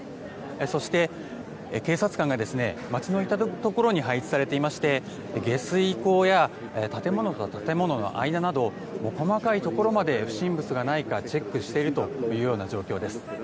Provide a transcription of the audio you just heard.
そして警察官が街の至るところに配置されていまして下水溝や建物と建物の間など細かいところまで不審物がないかチェックしている状況です。